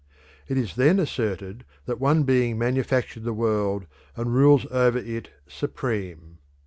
It is then asserted that one being manufactured the world and rules over it supreme.